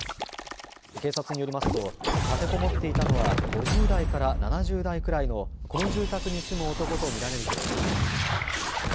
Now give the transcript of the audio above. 警察によりますと、立てこもっていたのは、５０代から７０代くらいの、この住宅に住む男と見られるということです。